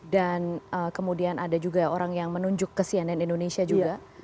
dan kemudian ada juga orang yang menunjuk ke cnn indonesia juga